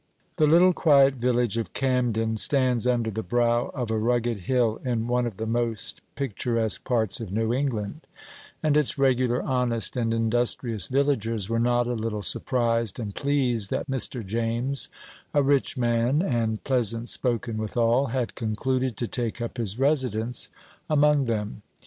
The little quiet village of Camden stands under the brow of a rugged hill in one of the most picturesque parts of New England; and its regular, honest, and industrious villagers were not a little surprised and pleased that Mr. James, a rich man, and pleasant spoken withal, had concluded to take up his residence among them.